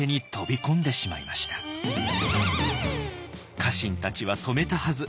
家臣たちは止めたはず。